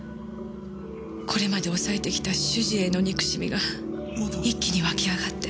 これまで抑えてきた主人への憎しみが一気にわきあがって！